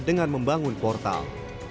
dengan membangun portal